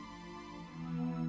aku sudah berjalan